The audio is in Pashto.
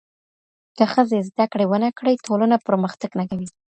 که ښځي زده کړي ونه کړي ټولنه پرمختګ نه کوي.